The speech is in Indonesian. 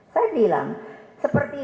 saya bilang seperti